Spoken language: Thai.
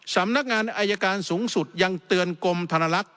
สำนักงานอายการสูงสุดยังเตือนกรมธนลักษณ์